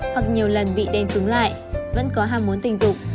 hoặc nhiều lần bị đem cứng lại vẫn có ham muốn tình dục